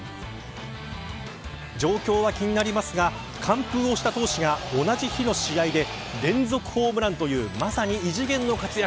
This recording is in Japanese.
状況は気になりますが完封をした投手が同じ日の試合で連続ホームランというまさに異次元の活躍。